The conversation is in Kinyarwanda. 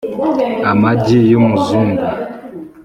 amagi y’umuzungu